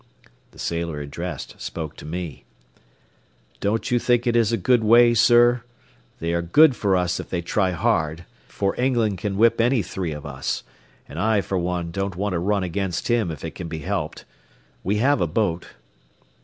The sailor addressed spoke to me. "Don't you think it a good way, sir? They are good for us if they try hard, for England can whip any three of us, an' I, for one, don't want to run against him if it can be helped. We have a boat."